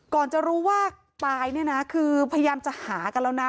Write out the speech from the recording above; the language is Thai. ก่อนจะรู้ว่าตายเนี่ยนะคือพยายามจะหากันแล้วนะ